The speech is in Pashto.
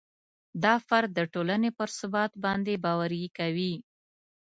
دا فرد د ټولنې پر ثبات باندې باوري کوي.